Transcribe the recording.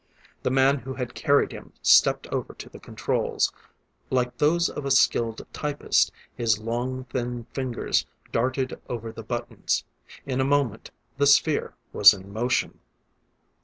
The man who had carried him stepped over to the controls. Like those of a skilled typist, his long, thin fingers darted over the buttons. In a moment the sphere was in motion.